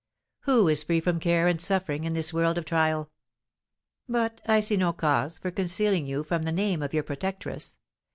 "Who is free from care and suffering in this world of trial? But I see no cause for concealing from you the name of your protectress.